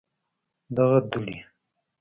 دغه دوړي